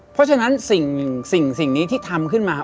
เพราะฉะนั้นสิ่งนี้ที่ทำขึ้นมา